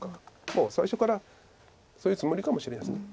もう最初からそういうつもりかもしれないです